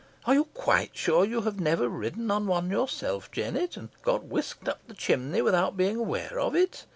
Are you quite sure you have never ridden on one yourself, Jennet, and got whisked up the chimney without being aware of it?